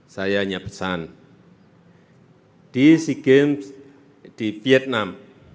saya hanya pesan di sea games di vietnam